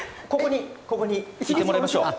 ここにいてもらいましょう。